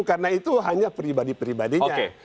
karena itu hanya pribadi pribadinya